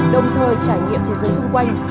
đồng thời trải nghiệm thế giới xung quanh